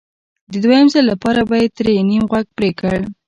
د دویم ځل لپاره به یې ترې نیم غوږ پرې کړ